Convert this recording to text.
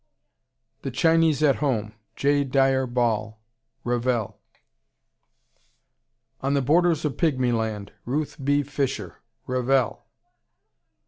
The Chinese at Home, J. Dyer Ball Revell. On the Borders of Pigmy Land, Ruth B. Fisher Revell.